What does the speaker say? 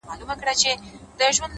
اخلاص د اړیکو ریښې ژوروي,